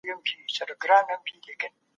هغه د خپلو حقونو دفاع کړې وه.